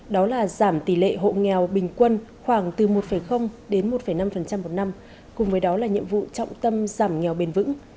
đó là giảm tỷ lệ hộ nghèo bình quân khoảng từ một đến một năm một năm cùng với đó là nhiệm vụ trọng tâm giảm nghèo bền vững